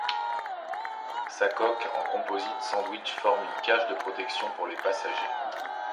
Sa coque en composite sandwich forme une cage de protection pour les passagers.